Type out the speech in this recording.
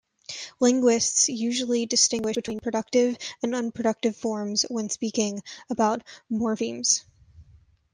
Linguists usually distinguish between productive and unproductive forms when speaking about morphemes.